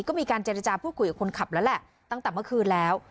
ก็มีการเจรจาพูดคุยกับคนขับแล้วแหละตั้งแต่เมื่อคืนแล้ว